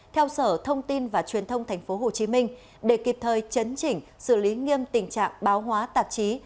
theo sở thông tin và truyền thông tp hcm để kịp thời chấn chỉnh xử lý nghiêm tình trạng báo hóa tạp chí